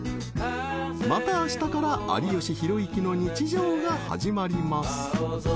［またあしたから有吉弘行の日常が始まります］